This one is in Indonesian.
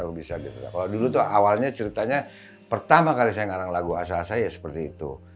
kalau dulu tuh awalnya ceritanya pertama kali saya ngarang lagu asal asal ya seperti itu